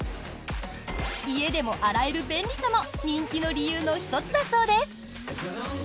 家でも洗える便利さも人気の理由の１つだそうです。